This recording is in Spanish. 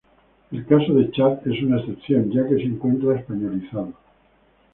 El caso de Chad es una excepción, ya que se encuentra españolizado.